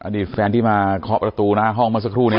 อดีตแฟนที่มาเคาะประตูหน้าห้องมาสักครู่เนี่ย